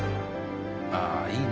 ああいいね。